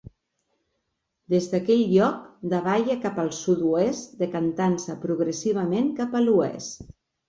Des d'aquell lloc davalla cap al sud-oest, decantant-se progressivament cap a l'oest.